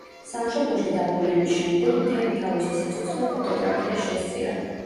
სამშობლოში დაბრუნების შემდეგ მთელი თავისი სიცოცხლე ფოტოგრაფიას შესწირა.